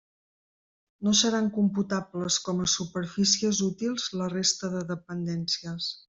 No seran computables com a superfícies útils la resta de dependències.